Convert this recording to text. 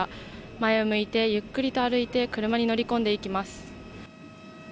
前を向いてゆっくりと歩いて車に乗り込んでいきます。